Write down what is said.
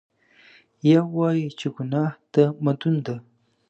یو وایي چې ګناه د مدون ده.